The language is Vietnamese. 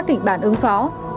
các kịch bản ứng phó